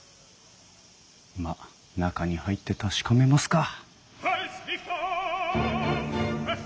まっ中に入って確かめますか。